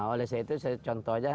oleh sebab itu saya contoh aja